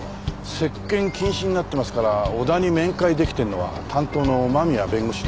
接見禁止になってますから小田に面会出来てるのは担当の間宮弁護士だけです。